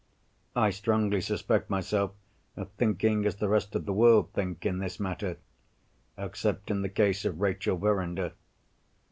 I strongly suspect myself of thinking as the rest of the world think in this matter—except in the case of Rachel Verinder.